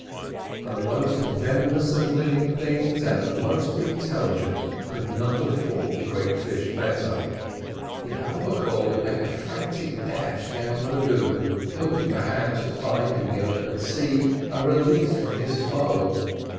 The most venomous of living things, and the most intelligent could not have fought the great fish better. The albicore would make a frantic dash down the lagoon, hoping, perhaps, to find in the open sea a release from his foe.